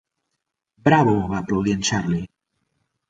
"Bravo!", va aplaudir en Charlie.